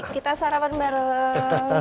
kita sarapan bareng